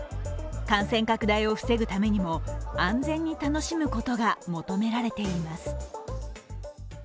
感染拡大を防ぐためにも安全に楽しむことが求められています。